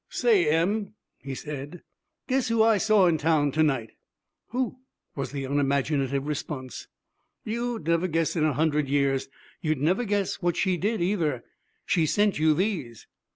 'Say, Em,' he said, 'guess who I saw in town to night?' 'Who?' was the unimaginative response. 'You'd never guess in a hundred years. You'd never guess what she did, either. She sent you these.'